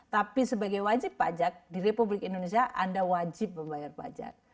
tapi sebagai wajib pajak di republik indonesia anda wajib membayar pajak